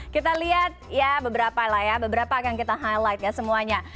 kita lihat ya beberapa lah ya beberapa akan kita highlight ya semuanya